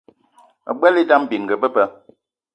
Me gbelé idam bininga be ba.